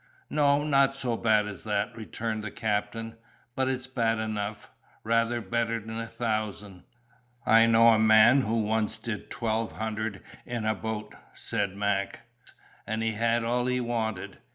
"No, not so bad as that," returned the captain. "But it's bad enough: rather better'n a thousand." "I know a man who once did twelve hundred in a boat," said Mac, "and he had all he wanted.